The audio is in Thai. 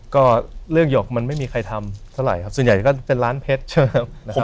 ก็เรื่องหยกมันไม่มีใครทำเท่าไหร่ครับส่วนใหญ่ก็เป็นล้านเพชรใช่ไหมนะครับ